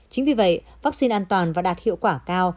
chính vì vậy vaccine an toàn và đạt hiệu quả cao